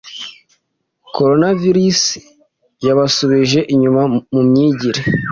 coronavirus yabasubije inyuma mu myigire,